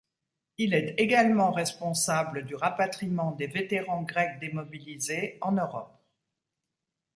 Il est également responsable du rapatriement des vétérans grecs démobilisés en Europe.